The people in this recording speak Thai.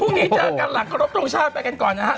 พรุ่งนี้เจอกันหลังกรบโทรศาสตร์ไปกันก่อนนะครับ